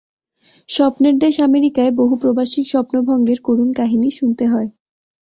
স্বপ্নের দেশ আমেরিকায় বহু প্রবাসীর স্বপ্ন ভঙ্গের করুণ কাহিনি শুনতে হয়।